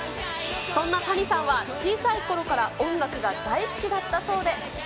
そんなタニさんは小さいころから音楽が大好きだったそうで。